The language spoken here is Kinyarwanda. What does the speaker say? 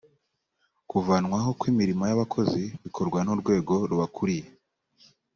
kuvanwaho kw’ imirimo y’ abakozi bikorwa n’urwego rubakuriye